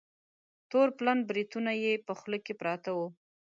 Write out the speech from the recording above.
تور پلن بریتونه یې په خوله کې پراته وه.